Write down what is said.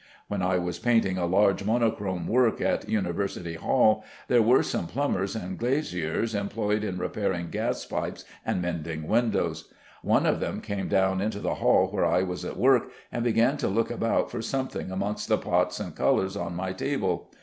When I was painting a large monochrome work at University Hall, there were some plumbers and glaziers employed in repairing gas pipes and mending windows. One of them came down into the hall where I was at work, and began to look about for something amongst the pots and colors on my table.